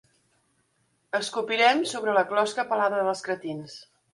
Escopirem sobre la closca pelada dels cretins.